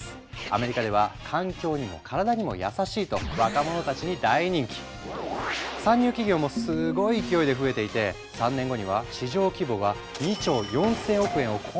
アメリカでは環境にも体にも優しいと参入企業もすごい勢いで増えていて３年後には市場規模がどうです？